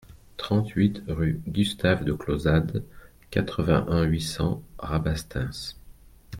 trente-huit rue Gustave de Clausade, quatre-vingt-un, huit cents, Rabastens